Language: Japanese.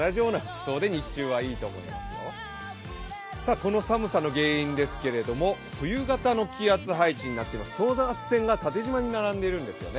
この寒さの原因ですけれども冬型の気圧配置になって等圧線が縦じまに並んでるんですよね。